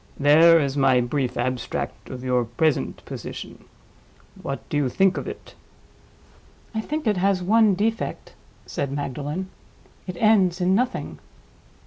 There is my brief abstract of your present position. What do you think of it?" "I think it has one defect," said Magdalen. "It ends in nothing."